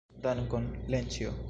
Dankon, Lenĉjo.